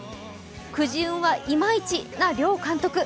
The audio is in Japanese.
くじ運はいまいちな両監督。